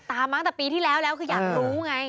ตามมาแต่ปีที่แล้วแล้วคืออยากลูกันไง